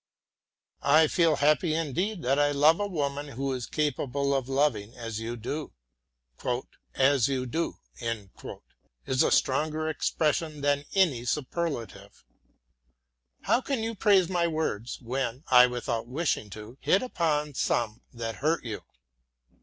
I feel happy indeed that I love a woman who is capable of loving as you do. "As you do" is a stronger expression than any superlative. How can you praise my words, when I, without wishing to, hit upon some that hurt you?